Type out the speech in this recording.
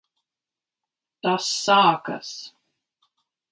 Tas sākas!